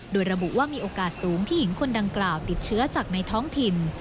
โดยระบุว่ามีโอกาสสูงที่หญิงคนดังกล่าวติดเชื้อจากในท้องถิ่น